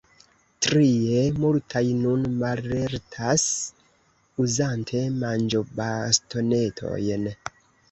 Trie, multaj nun mallertas, uzante manĝobastonetojn.